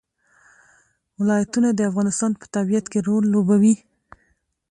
ولایتونه د افغانستان په طبیعت کې رول لوبوي.